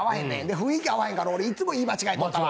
雰囲気合わへんから俺、いっつも間違えよったわ。